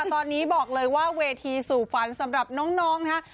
ตอนนี้บอกเลยว่าเวทีสู่ฝันสำหรับน้องนะคะ